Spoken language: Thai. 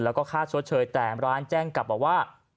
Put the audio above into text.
แล้วก็ค่าชดเชยแต่ร้านแจ้งกลับบอกว่า